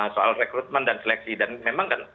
soal rekrutmen dan seleksi dan memang kan